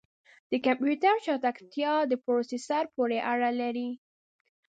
د کمپیوټر چټکتیا د پروسیسر پورې اړه لري.